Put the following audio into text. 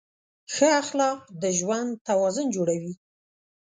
ښه اخلاق د ژوند توازن جوړوي.